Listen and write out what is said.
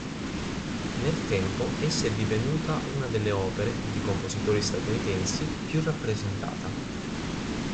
Nel tempo essa è divenuta una delle opere, di compositori statunitensi, più rappresentata.